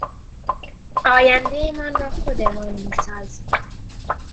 آیندهمان را خودمان میسازیم